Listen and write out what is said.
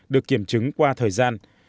được kiểm chứng qua thời gian